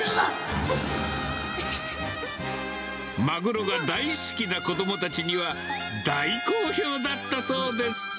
マグロが大好きな子どもたちには、大好評だったそうです。